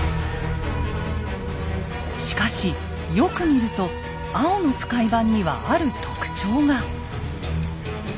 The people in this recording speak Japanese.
しかしよく見ると青の使番にはある特徴が。